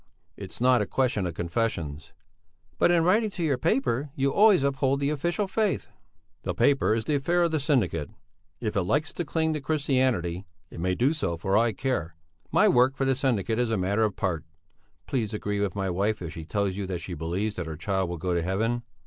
"It's not a question of confessions." "But in writing to your paper, you always uphold the official faith." "The paper is the affair of the syndicate; if it likes to cling to Christianity, it may do so for all I care! My work for the syndicate is a matter apart. Please agree with my wife if she tells you that she believes that her child will go to heaven."